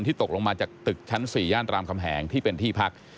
ตกลงมาจากตึกชั้น๔ย่านรามคำแหงที่เป็นที่พัก